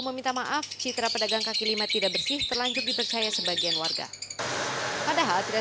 meminta maaf citra pedagang kaki lima tidak bersih terlanjur dipercaya sebagian warga padahal tidak